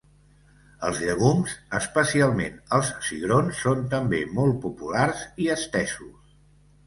Els llegums, especialment els cigrons, són també molt populars i estesos.